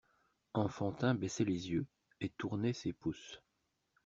Enfantin baissait les yeux, et tournait ses pouces.